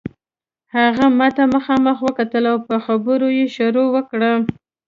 هغه ماته مخامخ وکتل او په خبرو یې شروع وکړه.